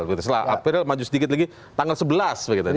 setelah april maju sedikit lagi tanggal sebelas begitu